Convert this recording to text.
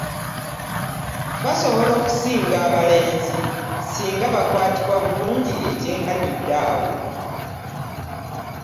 Basobola okusinga abalenzi singa bakwatibwa bulungi ekyenkanidde awo.